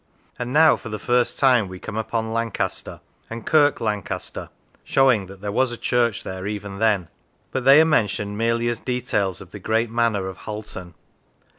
And now for the first time we come upon Lancaster, and Kirk Lancaster (showing that there was a church there even then), but they are mentioned merely as details of the great manor of Halton.